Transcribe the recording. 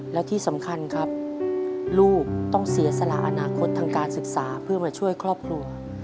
และที่สำคัญครับลูกต้องเสียสละอนาคตทางการศึกษาเพื่อมาช่วยครอบครัว